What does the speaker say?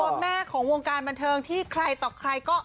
แม่ของวงการบันเทิงที่ใครต่อใครก็